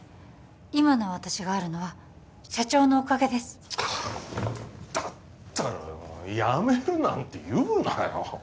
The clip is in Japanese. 今の私があるのは社長のおかげですはあっだったら辞めるなんて言うなよ